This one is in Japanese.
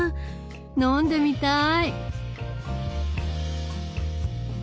飲んでみたい！